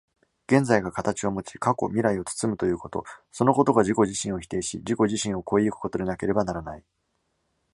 現在が形をもち、過去未来を包むということ、そのことが自己自身を否定し、自己自身を越え行くことでなければならない。